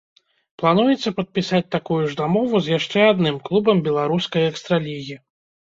Плануецца падпісаць такую ж дамову з яшчэ адным клубам беларускай экстра-лігі.